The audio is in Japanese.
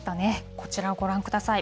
こちらをご覧ください。